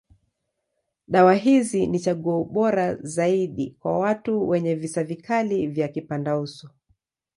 Dawa hizi ni chaguo bora zaidi kwa watu wenye visa vikali ya kipandauso.